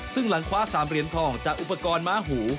ซึ่งหลังคว้า๓เหรียญทองจากอุปกรณ์ม้าหู